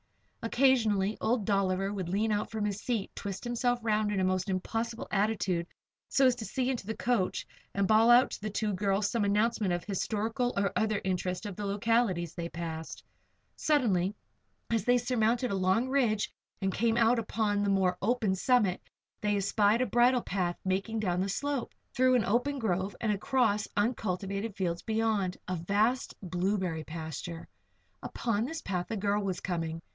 Occasionally old Dolliver would lean out from his seat, twist himself around in a most impossible attitude so as to see into the coach, and bawl out to the two girls some announcement of the historical or other interest of the localities they passed. Suddenly, as they surmounted a long ridge and came out upon the more open summit, they espied a bridle path making down the slope, through an open grove and across uncultivated fields beyond a vast blueberry pasture. Up this path a girl was coming.